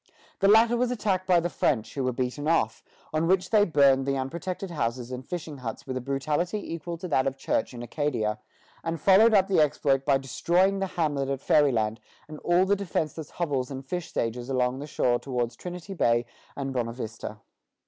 The latter was attacked by the French, who were beaten off; on which they burned the unprotected houses and fishing huts with a brutality equal to that of Church in Acadia, and followed up the exploit by destroying the hamlet at Ferryland and all the defenceless hovels and fish stages along the shore towards Trinity Bay and Bonavista.